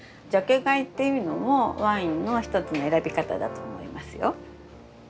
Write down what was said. ジャケ買いっていうのもワインの一つの選び方だと思いますよ。